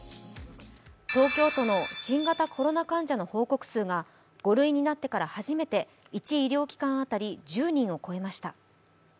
東京都の新型コロナ患者の報告数が５類になってから初めて１医療機関当たり１０人を超えました